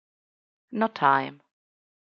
No Time